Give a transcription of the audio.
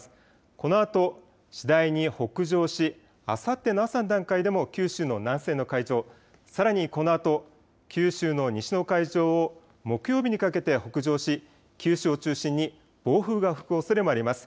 このあと次第に北上し、あさっての朝の段階でも九州の南西の海上、さらに、このあと九州の西の海上を木曜日にかけて北上し九州を中心に暴風が吹くおそれもあります。